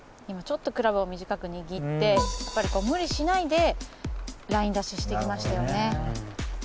今ちょっとクラブを短く握ってやっぱりこう無理しないでライン出ししてきましたよね。